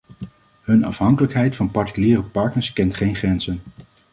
Hun afhankelijkheid van particuliere partners kent geen grenzen.